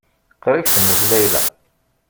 Qrib temmut Layla.